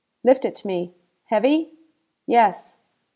"Lift it to me. Heavy?" "Yes."